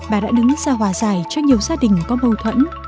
bà đã đứng ra hòa giải cho nhiều gia đình có mâu thuẫn